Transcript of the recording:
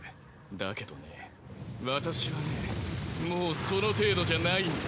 だけどね私はねもうその程度じゃないんだ。